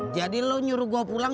jadi lu nyuruh gua pulang